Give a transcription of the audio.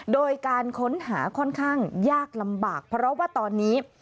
โดยการค้นหาค่อนข้างยากลำบากเพราะว่าตอนนี้